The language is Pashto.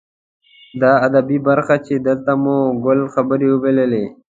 دا ادبي برخه چې دلته مو ګل خبرې وبللې.